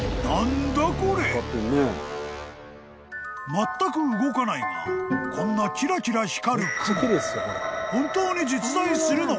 ［まったく動かないがこんなキラキラ光るクモ］